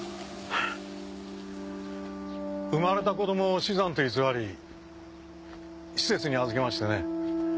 生まれた子どもを死産と偽り施設に預けましてね。